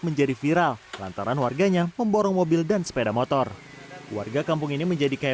menjadi viral lantaran warganya memborong mobil dan sepeda motor warga kampung ini menjadi kayak